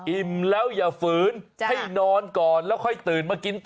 แล้วอย่าฝืนให้นอนก่อนแล้วค่อยตื่นมากินต่อ